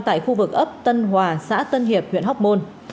tại khu vực ấp tân hòa xã tân hiệp huyện hóc môn